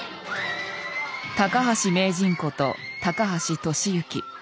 高橋名人こと高橋利幸。